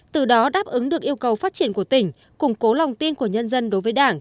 từ đó đáp ứng được yêu cầu phát triển của tỉnh củng cố lòng tin của nhân dân đối với đảng